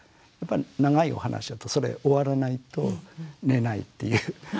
やっぱり長いお話だとそれ終わらないと寝ないっていう。